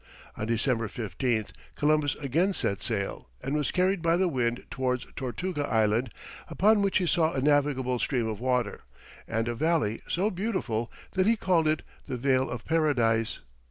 On December 15th, Columbus again set sail, and was carried by the wind towards Tortuga Island, upon which he saw a navigable stream of water, and a valley so beautiful that he called it the Vale of Paradise.